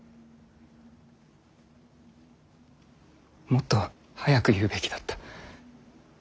もっと早く言うべきだった。